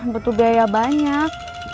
butuh biaya banyak